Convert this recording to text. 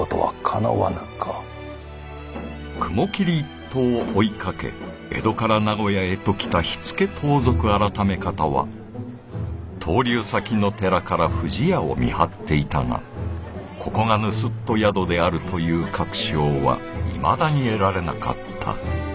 雲霧一党を追いかけ江戸から名古屋へと来た火付盗賊改方は逗留先の寺から藤屋を見張っていたがここが盗人宿であるという確証はいまだに得られなかった。